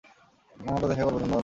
আমরা দেখা করব ধন্যবাদ।